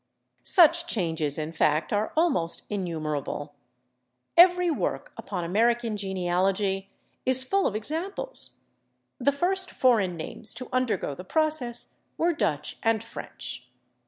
Such changes, in fact, are almost innumerable; every work upon American genealogy is full of examples. The first foreign names to undergo the process were Dutch and French.